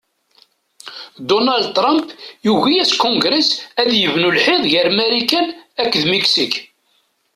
Dunald Trump yugi-as kungres ad yebnu lḥiḍ ger Marikan akked Miksik.